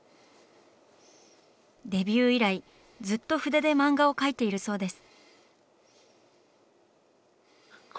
デビュー以来ずっと筆で漫画を描いているそうです。